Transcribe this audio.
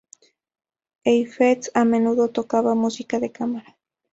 Heifetz a menudo tocaba música de cámara.